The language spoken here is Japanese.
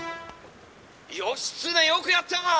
「義経よくやった！